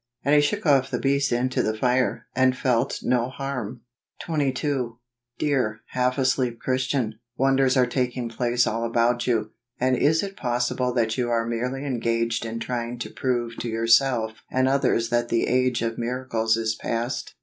,.. And he shook off the beast into the fire, and felt no harm." AUGUST. 03 22. Dear, half asleep Christian, wonders are taking place all about you, and is it pos¬ sible that you are merely engaged in try¬ ing to prove to yourself and others that " the age of miracles is past